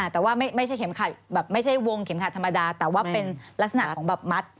แต่ว่าไม่ใช่แบบไม่ใช่วงเข็มขัดธรรมดาแต่ว่าเป็นลักษณะของแบบมัด